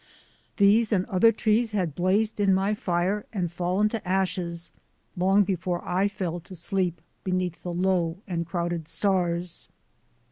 These and other trees had blazed in my fire and fallen to ashes long before I fell to sleep beneath the low and crowded stars.